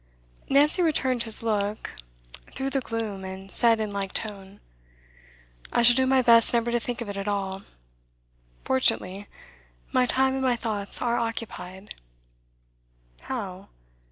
Nancy returned his look through the gloom, and said in like tone: 'I shall do my best never to think of it at all. Fortunately, my time and my thoughts are occupied.' 'How?